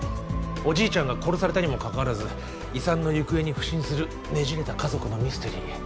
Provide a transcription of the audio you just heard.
おじいちゃんが殺されたにもかかわらず遺産の行方に腐心するねじれた家族のミステリー。